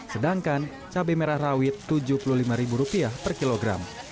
sedangkan cabai merah rawit rp tujuh puluh lima per kilogram